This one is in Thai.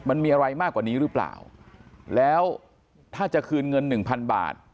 มันมีอะไรมากกว่านี้หรือเปล่าแล้วถ้าจะคืนเงินหนึ่งพันบาท